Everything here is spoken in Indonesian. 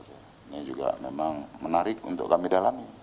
ini juga memang menarik untuk kami dalami